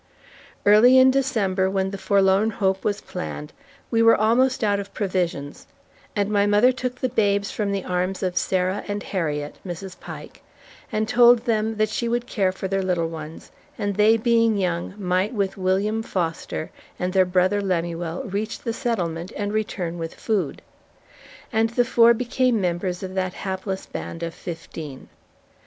Early in December when the Forlorn Hope was planned, we were almost out of provisions; and my mother took the babes from the arms of Sarah and Harriet (Mrs. Pike) and told them that she would care for their little ones, and they being young might with William (Foster) and their brother Lemuel reach the settlement and return with food. And the four became members of that hapless band of fifteen.